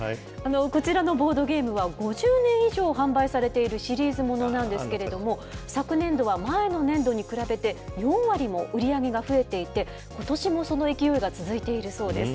こちらのボードゲームは５０年以上販売されているシリーズものなんですけれども、昨年度は前の年度に比べて、４割も売り上げが増えていて、ことしもその勢いが続いているそうです。